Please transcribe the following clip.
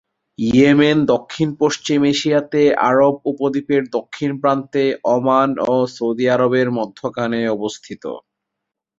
Yemen দক্ষিণ-পশ্চিম এশিয়াতে আরব উপদ্বীপের দক্ষিণ প্রান্তে ওমান ও সৌদি আরবের মধ্যখানে অবস্থিত।